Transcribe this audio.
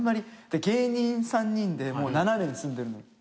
芸人３人でもう７年住んでるの。